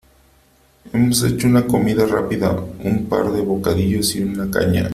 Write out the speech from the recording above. Hemos hecho una comida rápida; un par de bocadillos y una caña.